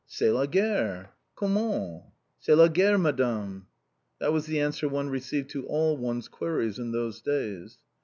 "C'est la guerre!" "Comment!" "C'est la guerre, Madame!" That was the answer one received to all one's queries in those days.